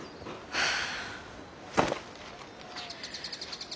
はあ。